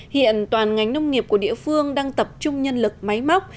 hiện toàn ngành nông nghiệp của địa phương đang tập trung nhân lực máy móc